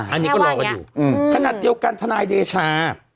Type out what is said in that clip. อันนี้ก็รอกันอยู่ขนาดเดียวกันทนายเดชา